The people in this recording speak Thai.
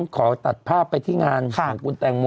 ขอตัดภาพไปที่งานของคุณแตงโม